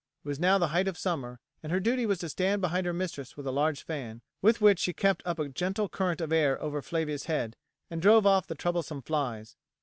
It was now the height of summer, and her duty was to stand behind her mistress with a large fan, with which she kept up a gentle current of air over Flavia's head and drove off the troublesome flies.